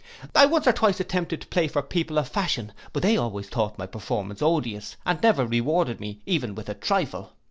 I once or twice attempted to play for people of fashion; but they always thought my performance odious, and never rewarded me even with a trifle.